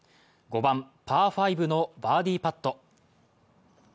５番パー５のバーディーパット。